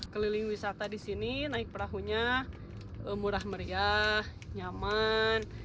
keliling wisata disini naik perahunya murah meriah nyaman